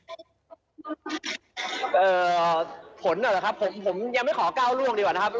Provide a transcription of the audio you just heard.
ผลนะครับผมยังไม่ขอก้าวล่วงดีกว่านะครับ